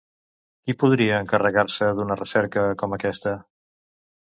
Qui podria encarregar-se d'una recerca com aquesta?